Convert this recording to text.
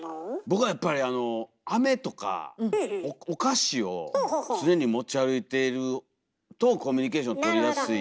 僕はやっぱりあの常に持ち歩いているとコミュニケーションとりやすい。